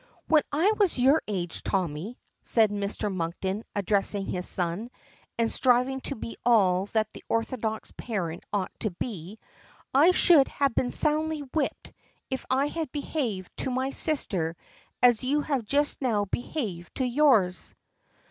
"When I was your age, Tommy," says Mr. Monkton addressing his son, and striving to be all that the orthodox parent ought to be, "I should have been soundly whipped if I had behaved to my sister as you have just now behaved to yours!"